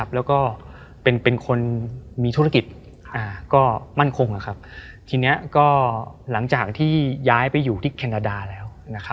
แล้วก็เป็นคนมีธุรกิจก็มั่นคงทีนี้ก็หลังจากที่ย้ายไปอยู่ที่แคนาดาแล้ว